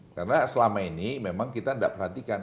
karena selama ini memang kita tidak perhatikan